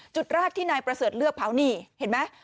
จุดแรกที่นายประเสริฐเลือกเผานี่เห็นไหม